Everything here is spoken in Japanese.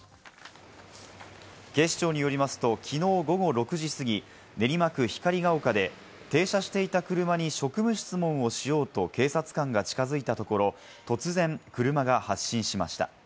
警視庁によりますと、きのう午後６時過ぎ、練馬区光が丘で停車していた車に職務質問をしようと警察官が近づいたところ、突然車が発進しました。